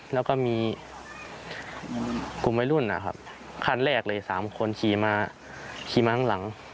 แล้วก็มีกลุ่มวัยรุ่นนะครับคันแรกเลย๓คนขี่มาขี่มาข้างหลัง